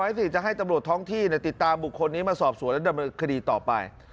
สิจะให้ตำรวจท้องที่ติดตามบุคคลนี้มาสอบสวนและดำเนินคดีต่อไป